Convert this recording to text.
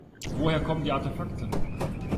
Woher kommen die Artefakte?